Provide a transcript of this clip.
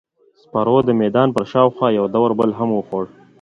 سپرو د میدان پر شاوخوا یو دور بل هم وخوړ.